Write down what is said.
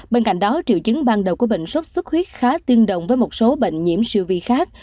bên cạnh đó triệu chứng ban đầu của bệnh sốt xuất huyết khá tương đồng với một số bệnh nhiễm siêu vi khác